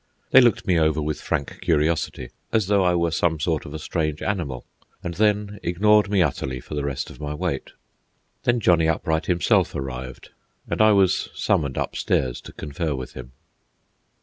They looked me over with frank curiosity, as though I were some sort of a strange animal, and then ignored me utterly for the rest of my wait. Then Johnny Upright himself arrived, and I was summoned upstairs to confer with him.